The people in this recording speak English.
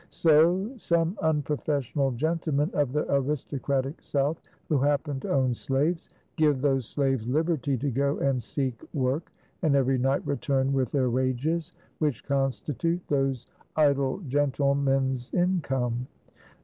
So, some unprofessional gentlemen of the aristocratic South, who happen to own slaves, give those slaves liberty to go and seek work, and every night return with their wages, which constitute those idle gentlemen's income.